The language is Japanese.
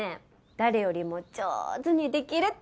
誰よりも上手にできるって事だよ。